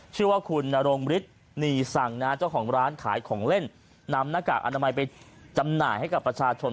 ชื่อว่าคุณนรงฤทธิ์นีสั่งนะฮะเจ้าของร้านขายของเล่นนำหน้ากากอนามัยไปจำหน่ายให้กับประชาชน